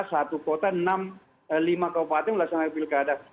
satu kota enam lima kabupaten melaksanakan pilkada